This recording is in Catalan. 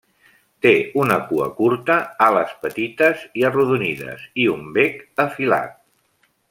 Té una cua curta, ales petites i arrodonides i un bec afilat.